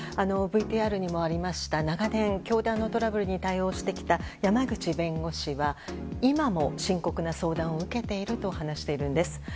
ＶＴＲにもありました長年、教団のトラブルに対応してきた山口弁護士は今も深刻な相談を受けていると話しています。